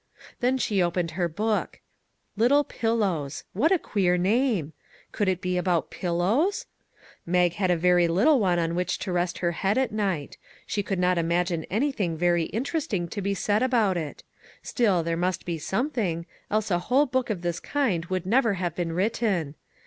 Then she opened her book. " Little Pillows." What a queer name. Could it be about pillows ? Mag had a very little one on which to rest her head at night ; she could not imagine anything very interesting to be said about it ; still, there must be something, else a whole book of this kind would never have been written.